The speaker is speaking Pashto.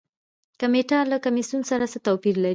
کمیټه له کمیسیون سره څه توپیر لري؟